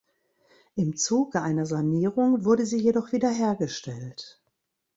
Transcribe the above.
Im Zuge einer Sanierung wurde sie jedoch wieder hergestellt.